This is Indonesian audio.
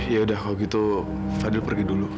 ya udah kalau gitu fadil pergi dulu